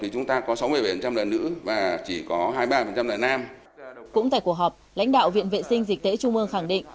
cũng tại cuộc họp lãnh đạo viện vệ sinh dịch tễ trung ương khẳng định